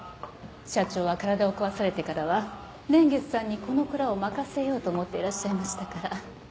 社長は体を壊されてからは蓮月さんにこの蔵を任せようと思っていらっしゃいましたから。